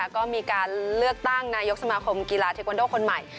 ก็มีการเลือกตั้งนายกสมาคมกีฬาเทควันโดคนใหม่